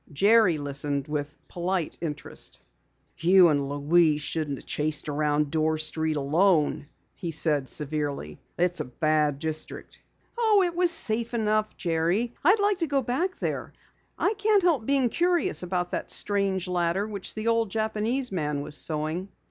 Jerry listened with polite interest. "You and Louise shouldn't have chased around Dorr Street alone," he said severely. "It's a bad district." "Oh, it was safe enough, Jerry. I'd like to go back there. I can't help being curious about that strange ladder which the old Japanese man was sewing."